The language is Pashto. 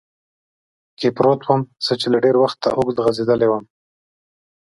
کې پروت ووم، زه چې له ډېر وخته اوږد غځېدلی ووم.